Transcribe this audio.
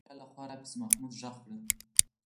د شا له خوا راپسې محمد په خندا غږ کړل.